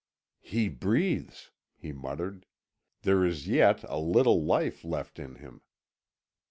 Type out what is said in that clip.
"He breathes," he muttered, "there is yet a little life left in him."